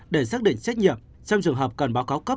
để xác định trách nhiệm trong trường hợp cần báo cáo cấp